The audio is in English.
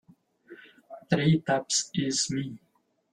Three taps is me.